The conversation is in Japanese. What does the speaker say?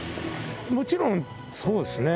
もちろん、そうですね。